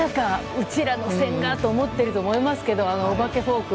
うちらの千賀と思っていると思いますけどもあのお化けフォーク。